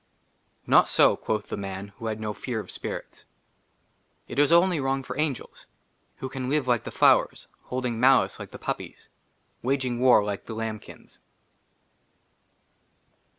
" NOT SO," QUOTH THE MAN WHO HAD NO FEAR OF SPIRITS ;IT IS ONLY WRONG FOR ANGELS "WHO CAN LIVE LIKE THE FLOWERS, " HOLDING MALICE LIKE THE PUPPIES, *' WAGING WAR LIKE THE LAMBKINS."